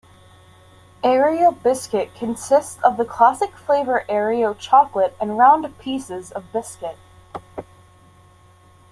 Aero Biscuit consists of the classic flavour Aero chocolate and round pieces of biscuit.